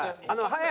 はい！